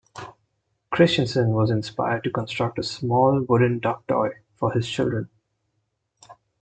Christiansen was inspired to construct a small wooden duck toy for his children.